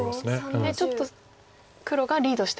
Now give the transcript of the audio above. ちょっと黒がリードしてると。